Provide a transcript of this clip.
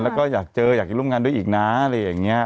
แล้วก็อยากเจออยากจะร่วมงานด้วยอีกนะอะไรอย่างนี้